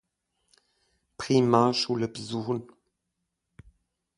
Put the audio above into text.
Primarschule besuchen.